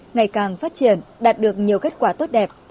ngày càng phát triển đạt được nhiều kết quả tốt đẹp